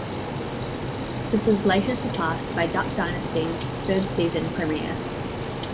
This was later surpassed by "Duck Dynasty"'s third season premiere.